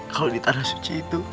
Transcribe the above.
kalau di tanah suci itu